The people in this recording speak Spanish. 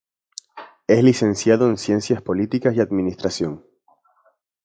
Es licenciado en Ciencias Políticas y de la Administración.